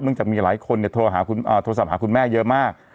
จากมีหลายคนโทรศัพท์หาคุณแม่เยอะมาก